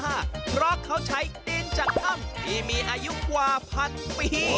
เพราะเขาใช้ดินจากถ้ำที่มีอายุกว่าพันปี